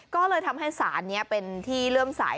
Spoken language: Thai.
ก็เลยทำให้ศาลนี้เป็นที่เริ่มสาย